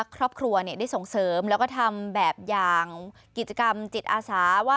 ครอบครัวได้ส่งเสริมแล้วก็ทำแบบอย่างกิจกรรมจิตอาสาว่า